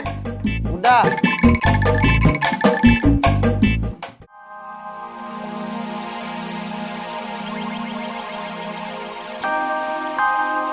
duduk dulu ben